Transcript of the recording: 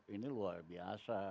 ini luar biasa